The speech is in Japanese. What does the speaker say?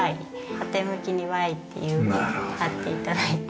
縦向きにＹっていう事で貼って頂いて。